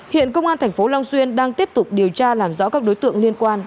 hiện công an tp long xuyên đang tiếp tục điều tra làm rõ các đối tượng liên quan